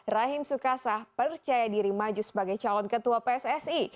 rahim sukasa percaya diri maju sebagai calon ketua pssi